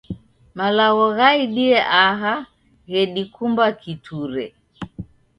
Malagho ghaidie aha ghedikumba kiture.